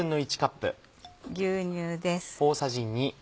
牛乳です。